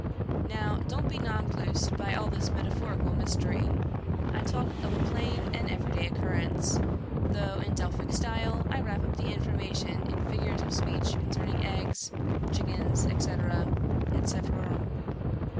Now, don't be nonplussed by all this metaphorical mystery. I talk of a plain and everyday occurrence, though, in Delphic style, I wrap up the information in figures of speech concerning eggs, chickens etceatera, etcaeterorum.